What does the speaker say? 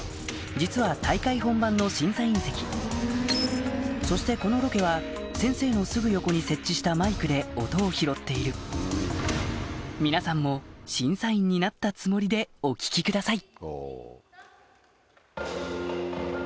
実は大会本番のそしてこのロケは先生のすぐ横に設置したマイクで音を拾っている皆さんも審査員になったつもりでお聴きください